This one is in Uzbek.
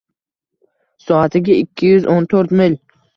Soatiga ikki yuz o‘n to‘rt mil!